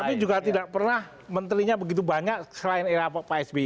tapi juga tidak pernah menterinya begitu banyak selain era pak sby